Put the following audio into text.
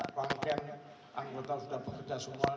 pakaian anggota sudah bekerja semua